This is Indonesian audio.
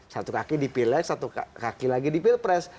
satu kaki dipilek satu kaki lagi dipilpres